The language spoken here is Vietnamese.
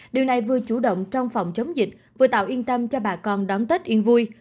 điều này vừa chủ động trong phòng chống dịch vừa tạo yên tâm cho bà con đón tết yên vui